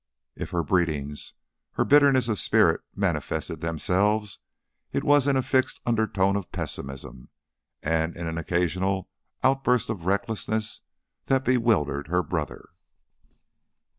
If her breedings, her bitterness of spirit manifested themselves, it was in a fixed undertone of pessimism and in an occasional outburst of recklessness that bewildered her brother.